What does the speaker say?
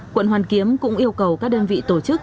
quận hoàn kiếm cũng yêu cầu các đơn vị tổ chức